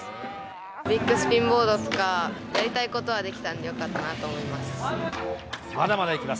ビッグスピンボードとか、やりたいことはできたんで、よかったなと思います。